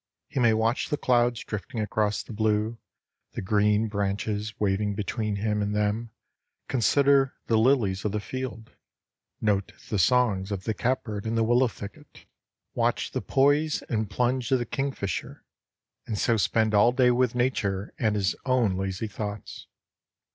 He may watch the clouds drifting across the blue, the green branches waving between him and them, consider the lilies of the field, note the songs of the catbird in the willow thicket, watch the poise and plunge of the kingfisher, and so spend all the day with nature and his own lazy thoughts.